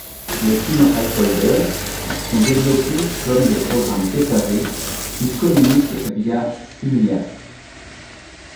Les clients iFolder sont développés comme des programmes séparés, qui communiquent via Simias.